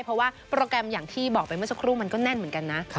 เพราะว่าโปรแกรมอย่างที่บอกไปเมื่อสักครู่มันก็แน่นเหมือนกันนะ